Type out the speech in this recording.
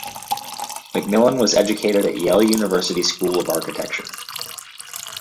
McMillan was educated at Yale University School of Architecture.